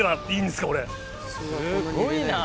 すごいな。